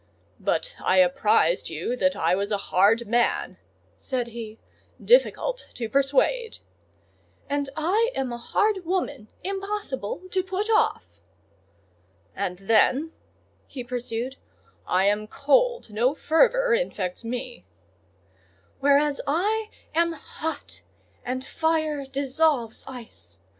"But I apprised you that I was a hard man," said he, "difficult to persuade." "And I am a hard woman,—impossible to put off." And I am a hard woman,—impossible to put off "And then," he pursued, "I am cold: no fervour infects me." "Whereas I am hot, and fire dissolves ice.